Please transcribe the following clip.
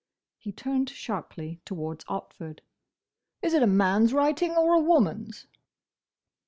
He turned sharply towards Otford. "Is it a man's writing, or a woman's?"